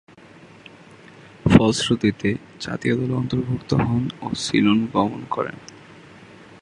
ফলশ্রুতিতে, জাতীয় দলে অন্তর্ভুক্ত হন ও সিলন গমন করেন।